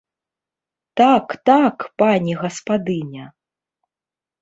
Так, так, пані гаспадыня!